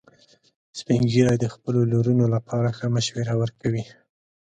سپین ږیری د خپلو لورونو لپاره ښه مشوره ورکوي